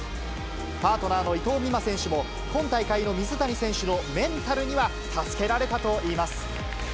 パートナーの伊藤美誠選手も、今大会の水谷選手のメンタルには助けられたといいます。